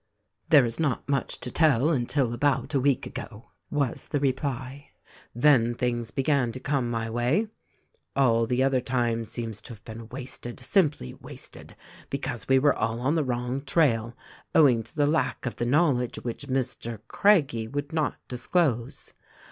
"There is not much to tell until about a week ago," was the reply. "Then things began to come my way. All the other time seems to have been wasted — simply wasted — because we were all on the wrong trail, — owing to the lack of the knowledge which Mr. Craggie would not disclose.